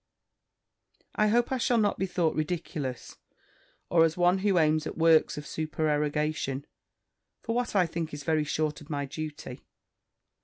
I hope I shall not be thought ridiculous, or as one who aims at works of supererogation, for what I think is very short of my duty.